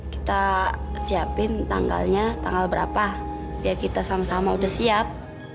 kita siapin tanggalnya tanggal berapa biar kita sama sama udah siap